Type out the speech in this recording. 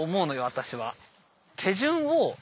私は。